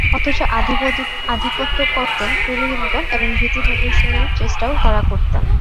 অথচ আধিপত্য করতেন পুরোহিতগণ এবং ভীতিপ্রদর্শনের চেষ্টাও তাঁরা করতেন।